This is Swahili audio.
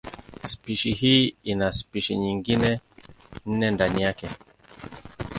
Spishi hii ina spishi nyingine nne ndani yake.